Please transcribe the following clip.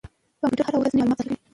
کمپیوټر هره ورځ نوي معلومات ذخیره کوي.